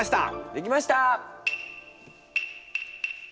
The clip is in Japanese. できました！